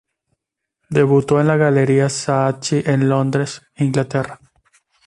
Debutó en la Galería Saatchi en Londres, Inglaterra.